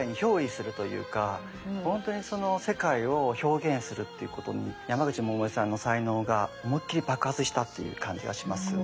本当にその世界を表現するっていうことに山口百恵さんの才能が思いっきり爆発したっていう感じがします。